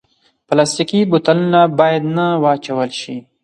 پلاستيکي بوتلونه باید نه واچول شي.